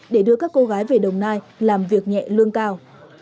để đưa các cô gái về đồng nai làm việc nhẹ lương cao